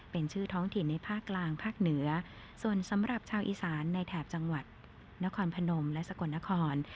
เป็นชื่อท้องถิ่นในภาคกลางภาคเหนือส่วนสำหรับชาวอีสานในแถบจังหวัดนครพนมและสกลนคร